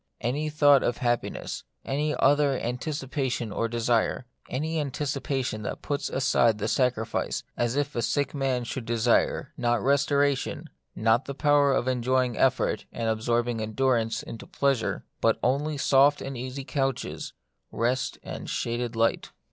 Any other thought of happiness, any other anticipation or desire, any antici pation that puts aside the sacrifice, is as if a sick man should desire, not restoration, not the power of enjoying effort and absorbing endur ance into pleasure, but only soft and easy couches, rest and shaded light.